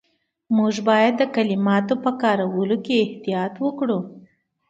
موږ باید د کلماتو په کارولو کې احتیاط وکړو.